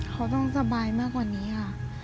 เขาต้องสบายมากกว่านี้ค่ะ